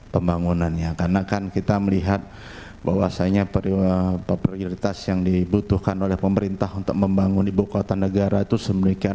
pembangunannya karena kan kita melihat bahwasannya prioritas yang dibutuhkan oleh pemerintah untuk membangun ibu kota negara itu semikian